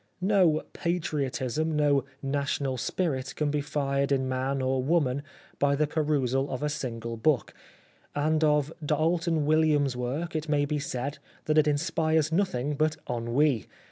No patriotism, no national spirit can be fired in man or woman by the perusal of a single book ; and of D' Alton Williams' work it may be said that it inspires nothing but ennui.